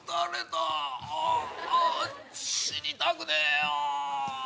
死にたくねえよ。